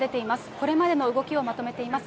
これまでの動きをまとめています。